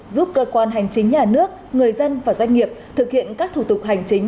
giúp cơ quan hành chính nhà nước người dân và doanh nghiệp thực hiện các thủ tục hành chính